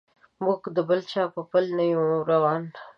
موږ د بل چا په پله نه یو روان.